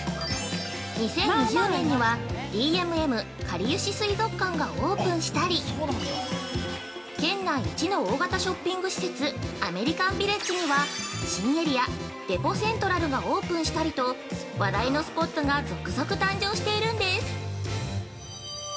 ２０２０年にはＤＭＭかりゆし水族館がオープンしたり、県内一の大型ショッピング施設アメリカンビレッジには、新エリア「デポセントラル」がオープンしたりと話題のスポットが続々誕生しているんです！